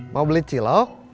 mau beli cilok